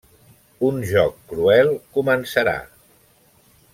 Un joc cruel començarà.